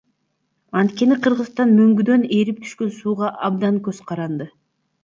Анткени Кыргызстан мөңгүдөн эрип түшкөн сууга абдан көз каранды.